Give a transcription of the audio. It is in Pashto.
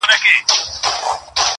• ټول وجود یې په لړزه وي او ویریږي -